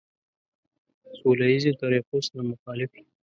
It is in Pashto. سوله ایزو طریقو سره مخالف یو.